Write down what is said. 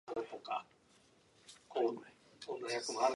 Donlevy served during the expedition as a bugler.